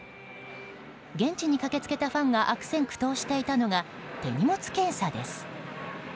現地に駆けつけたファンが悪戦苦闘していたのが手荷物検査です。